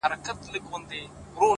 زه بې له تا گراني ژوند څنگه تېر كړم”